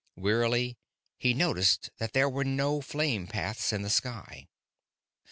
Wearily he noticed that there were no flame paths in the sky.